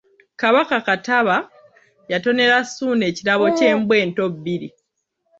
Kabaka Kattaba yatonera Ssuuna ekirabo ky’embwa ento bbiri.